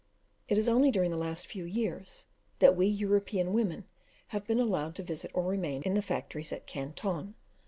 It is only during the last few years that we European women have been allowed to visit or remain in the factories at Canton.